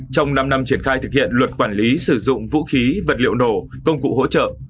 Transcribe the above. trong năm năm triển khai thực hiện luật quản lý sử dụng vũ khí vật liệu nổ công cụ hỗ trợ